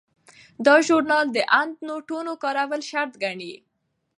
دا ژورنال د اندنوټونو کارول شرط ګڼي.